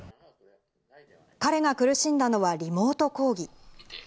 彼が苦しんだのはリモート講義。